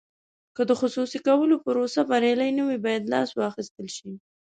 که د خصوصي کولو پروسه بریالۍ نه وي باید لاس واخیستل شي.